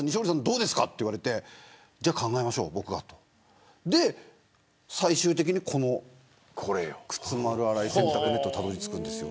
どうですかと言われて考えましょうとなって最終的にこのくつ丸洗い洗濯ネットにたどり着くんです。